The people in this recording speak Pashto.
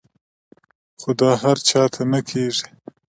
خو دا هر چاته نۀ کيږي -